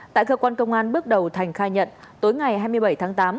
tại cơ quan công an bước đầu thành khai nhận tối ngày hai mươi bảy tháng tám